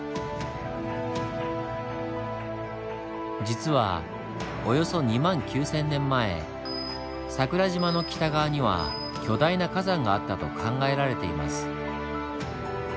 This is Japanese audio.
実はおよそ２万９０００年前桜島の北側には巨大な火山があったと考えられています。